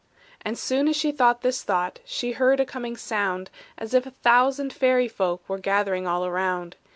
And soon as she thought this thought, She heard a coming sound, As if a thousand fairy folk Were gathering all around.